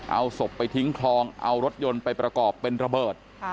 เอาศพไปทิ้งคลองเอารถยนต์ไปประกอบเป็นระเบิด